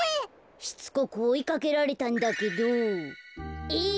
しつこくおいかけられたんだけど「えい！